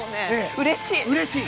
うれしい！